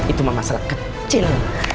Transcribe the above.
itu masalah kecil